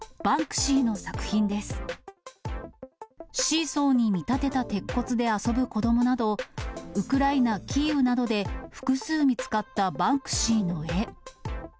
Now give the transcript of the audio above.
シーソーに見立てた鉄骨で遊ぶ子どもなど、ウクライナ・キーウなどで、複数見つかったバンクシーの絵。